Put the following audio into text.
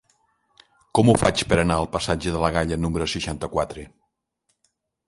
Com ho faig per anar al passatge de la Galla número seixanta-quatre?